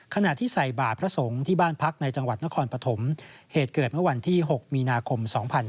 ขณะที่ใส่บาทพระสงฆ์ที่บ้านพักในจังหวัดนครปฐมเหตุเกิดเมื่อวันที่๖มีนาคม๒๕๕๙